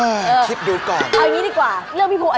เรื่องพี่โพกอาจจะต้องคิดนิดหนึ่งแต่เรื่องข่าวดีว่าไหนมันคงสุดท้ายอ่ะ